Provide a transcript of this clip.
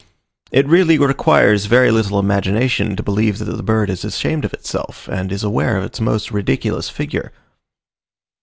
It really requires little imagination to believe that the bird is ashamed of itself, and is aware of its most ridiculous figure.